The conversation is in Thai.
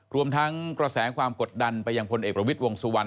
รวมทั้งกระแสความกดดันไปยังพลเอกประวิทย์วงสุวรรณ